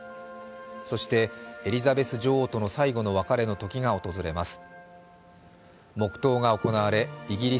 そしてエリザベス女王との最後の別れの時が訪れます。